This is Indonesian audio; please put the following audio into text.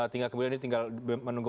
tinggal kemudian ini tinggal menunggu